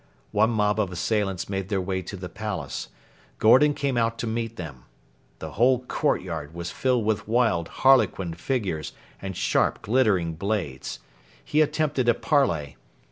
One mob of assailants made their way to the palace. Gordon came out to meet them. The whole courtyard was filled with wild, harlequin figures and sharp, glittering blades. He attempted a parley.